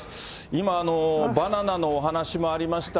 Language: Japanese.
今、バナナのお話もありました、